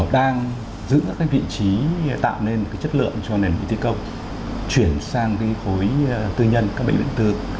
đang giữ các vị trí tạo nên chất lượng cho nền kinh tế công chuyển sang khối tư nhân các bệnh viện tư